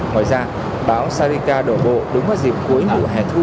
ngoài ra bão sarika đổ bộ đúng vào dịp cuối mùa hè thu